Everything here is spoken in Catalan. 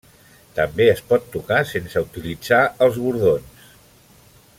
També es pot tocar sense utilitzar els bordons.